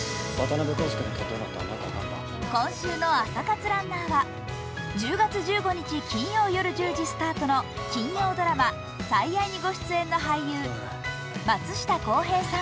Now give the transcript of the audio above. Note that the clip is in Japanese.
今週の朝活ランナーは１０月１５日金曜夜１０時スタートの金曜ドラマ「最愛」にご出演の俳優・松下洸平さん。